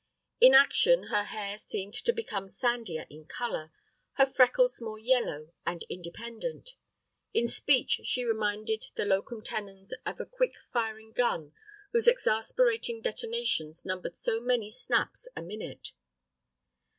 In action her hair seemed to become sandier in color, her freckles more yellow and independent. In speech she reminded the locum tenens of a quick firing gun whose exasperating detonations numbered so many snaps a minute.